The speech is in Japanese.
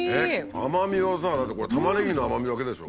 甘みがさだってこれたまねぎの甘みだけでしょ？